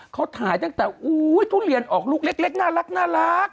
เขาถ่ายตั้งแต่ทุเรียนออกลูกเล็กน่ารัก